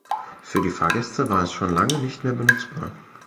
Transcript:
Für die Fahrgäste war es schon lange nicht mehr benutzbar.